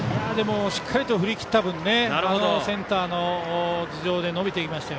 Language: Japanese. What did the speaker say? しっかりと振り切った分センターの頭上で伸びていきました。